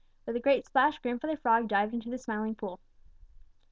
With a great splash Grandfather Frog dived into the Smiling Pool.